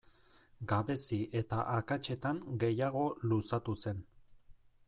Gabezi eta akatsetan gehiago luzatu zen.